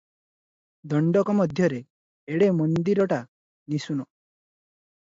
ଦଣ୍ଡକ ମଧ୍ୟରେ ଏଡେ ମନ୍ଦିରଟା ନିଶୂନ ।